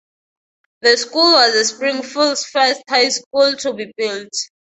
The school was Springfield's first high school to be built.